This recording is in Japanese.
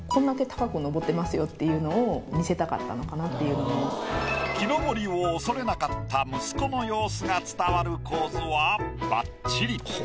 とにかくまず木登りを恐れなかった息子の様子が伝わる構図はばっちり。